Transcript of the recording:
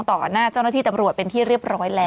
หน้าเจ้าหน้าที่ตำรวจเป็นที่เรียบร้อยแล้ว